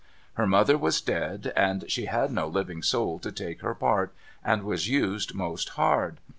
Her mother was dead, and she had no living soul to take her part, and was used most hard.